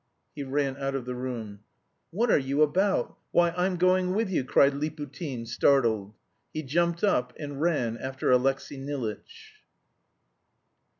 He ran out of the room. "What are you about? Why, I'm going with you!" cried Liputin, startled. He jumped up and ran after Alexey Nilitch.